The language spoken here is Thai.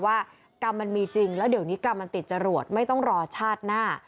กรรมมันมีจริงแล้วเดี๋ยวนี้กรรมมันติดจรวดไม่ต้องรอชาติหน้า